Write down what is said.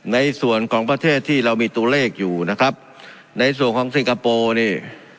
ในส่วนของประเทศที่เรามีตัวเลขอยู่นะครับในส่วนของสิงคโปร์นี่